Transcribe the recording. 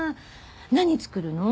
何作るの？